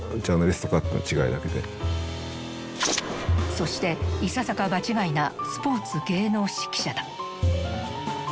そしていささか場違いなスポーツ・芸能紙記者だ。